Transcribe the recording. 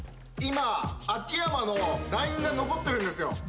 今秋山のラインが残ってるんですよ。